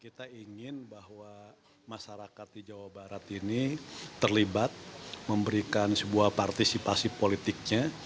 kita ingin bahwa masyarakat di jawa barat ini terlibat memberikan sebuah partisipasi politiknya